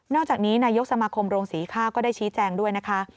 อกจากนี้นายกสมาคมโรงศรีข้าวก็ได้ชี้แจงด้วยนะคะ